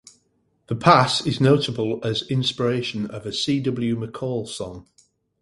The pass is notable as inspiration of a C. W. McCall song.